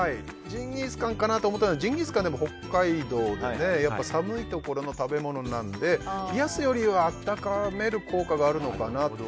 ジンギスカンかなと思ったんだけどジンギスカンは北海道で寒いところの食べ物なので冷やすよりは温める効果があるのかなと。